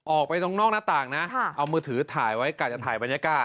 ออกไปตรงนอกหน้าต่างนะเอามือถือถ่ายไว้กะจะถ่ายบรรยากาศ